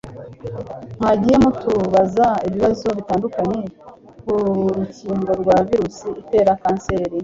mwagiye mutubaza ibibazo bitandukanye ku rukingo rwa virusi itera kanseri